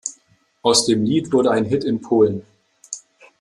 Aus dem Lied wurde ein Hit in Polen.